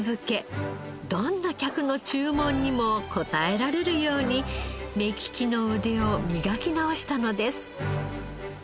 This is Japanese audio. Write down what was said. どんな客の注文にも応えられるように目利きの腕を磨き直したのです。